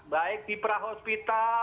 baik di prahospital